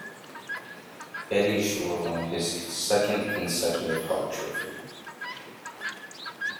Eddie Shore won his second consecutive Hart trophy.